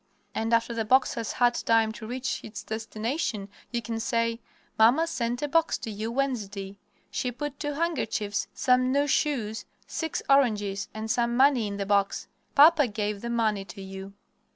And after the box has had time to reach its destination you can say, "Mamma sent a box to you Wednesday. She put two handkerchiefs, some new shoes, six oranges, and some money in the box. Papa gave the money to you."